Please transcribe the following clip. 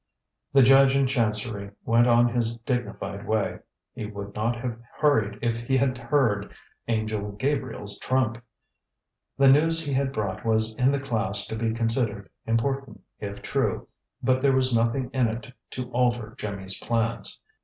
The judge in chancery went on his dignified way. He would not have hurried if he had heard Angel Gabriel's trump. The news he had brought was in the class to be considered important if true, but there was nothing in it to alter Jimmy's plans.